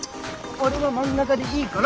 俺は真ん中でいいから。